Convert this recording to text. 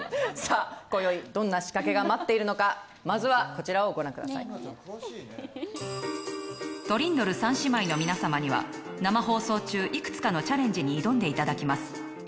今宵どんな仕掛けが待っているのかトリンドル３姉妹の皆さまには生放送中いくつかのチャレンジに挑んでいただきます。